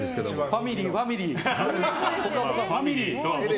ファミリー！